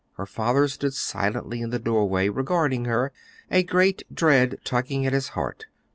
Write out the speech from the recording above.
Her father stood silently in the doorway, regarding her, a great dread tugging at his heart.